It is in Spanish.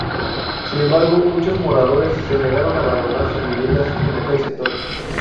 Sin embargo, muchos moradores se negaron a abandonar sus viviendas en aquel sector.